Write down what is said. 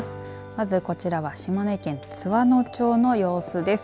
まず、こちらは島根県津和野町の様子です。